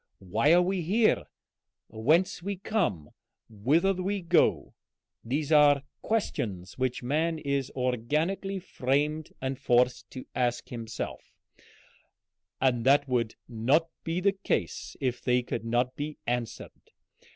Why we are here, whence we come, whither we go these are questions which man is organically framed and forced to ask himself, and that would not be the case if they could not be answered.